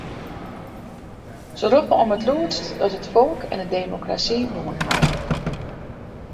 Se roppe om it lûdst dat it folk en de demokrasy wûn hawwe.